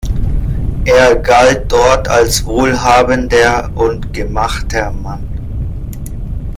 Er galt dort als wohlhabender und „gemachter Mann“.